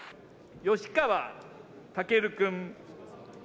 吉川赳君。